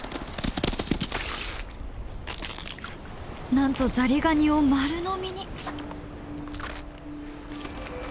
なんとザリガニを丸飲みに！